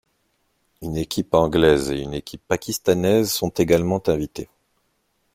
Une équipe anglaise et une équipe pakistanaise sont également invitées.